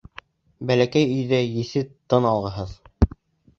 Бәләкәй өйҙә еҫе тын алғыһыҙ...